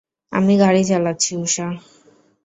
আমি গাড়ি চালাচ্ছি, উষা।